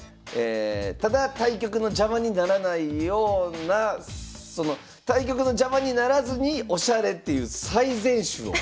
ただ対局の邪魔にならないような対局の邪魔にならずにオシャレっていう最善手を。